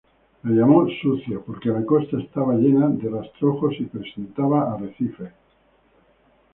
La llamó sucia, porque la costa estaba llena de rastrojos y presentaba arrecifes.